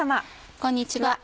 こんにちは。